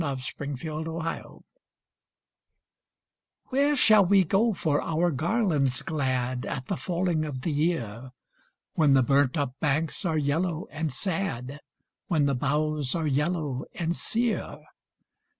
A Song of Autumn "Where shall we go for our garlands glad At the falling of the year, When the burnt up banks are yellow and sad, When the boughs are yellow and sere?